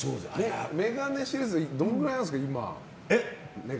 メガネシリーズはどのぐらいなんですか、今。